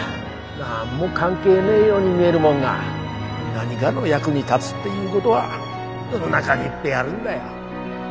何も関係ねえように見えるもんが何がの役に立つっていうごどは世の中にいっぺえあるんだよ。